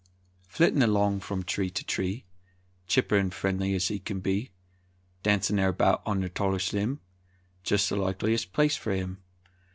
Flittin' along from tree to tree, Chipper 'n friendly ez he kin be; Dancin' erbout on the'r talles' lim', Jes' the likeliest place fer him.